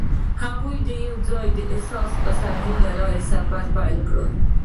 هغوی یوځای د حساس پسرلی له لارې سفر پیل کړ.